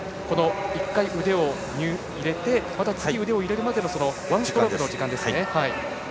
１回腕を入れてまた次、腕を入れるまでのワンストロークの時間ですね。